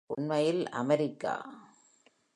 உண்மையில், அமெரிக்கா.